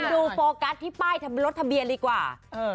คุณดูโฟกัสที่ป้ายรถทะเบียนดีกว่า